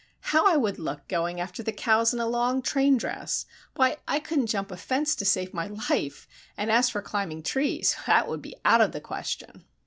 "How I would look going after the cows in a long, train dress! Why I couldn't jump a fence to save my life, and as for climbing trees, that would be out of the question."